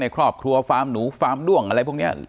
ครอบครัวฟาร์มหนูฟาร์มด้วงอะไรพวกนี้